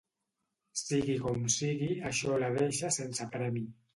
Sigui com sigui, això la deixa sense premi.